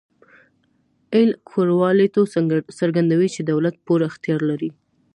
اېل کورالیټو څرګندوي چې دولت پوره اختیار لري.